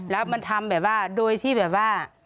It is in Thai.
แล้วมันทำแบบว่าโดยที่แบบว่า